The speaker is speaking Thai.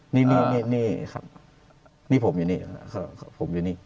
นี่นี่ครับนี่ผมอยู่นี่ผมอยู่นี่